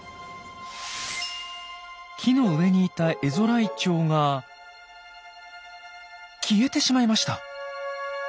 木の上にいたエゾライチョウが消えてしまいました。